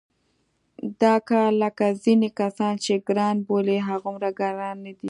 دا کار لکه ځینې کسان چې ګران بولي هغومره ګران نه دی.